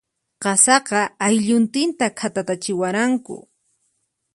Qasaqa, aylluntinta khatatatachiwaranku.